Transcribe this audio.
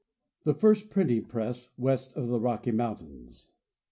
The first Printing Press west of the Rocky Mountains.